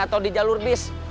atau di jalur bis